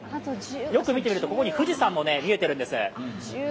よく見てみると、ここに富士山も見えてるんです。